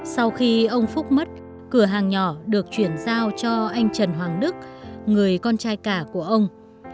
sau khi ông phúc mất cửa hàng nhỏ được chuyển giao cho anh trần hoàng đức người con trai cả của ông